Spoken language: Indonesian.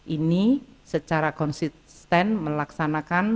ini secara konsisten melaksanakan